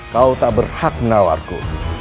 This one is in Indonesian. kau tak berhak menawarku